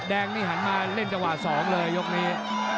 แดงนี่หันมาเล่นจังหวะ๒เลยยกนี้